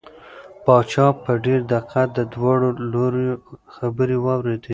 پاچا په ډېر دقت د دواړو لوریو خبرې واورېدې.